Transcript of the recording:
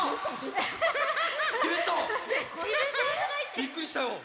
びっくりしたよ！